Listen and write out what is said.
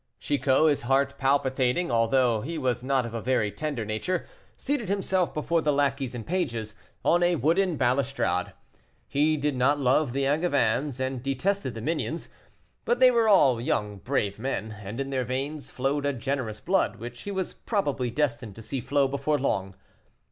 Chicot, his heart palpitating, although he was not of a very tender nature, seated himself before the lackeys and pages, on a wooden balustrade. He did not love the Angevins, and detested the minions, but they were all brave young men, and in their veins flowed a generous blood, which he was probably destined to see flow before long.